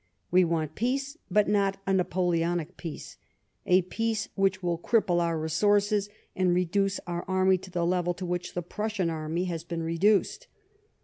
" We want peace, but not a Napoleonic peace — a peace which will cripple our resources, and reduce our army to the level to which the Prussian army has been reduced.